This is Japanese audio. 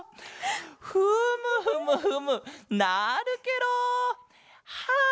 フムフムフムなるケロ！はあ